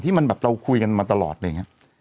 มันแบบเราคุยกันมาตลอดอะไรอย่างนี้